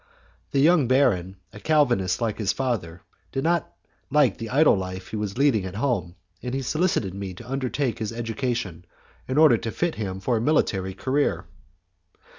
The young baron, a Calvinist like his father, did not like the idle life he was leading at home, and he solicited me to undertake his education in order to fit him for a military career.